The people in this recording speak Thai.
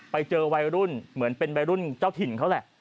ไปเจอวัยรุ่นเหมือนเป็นวัยรุ่นเจ้าถิ่นเขาแหละ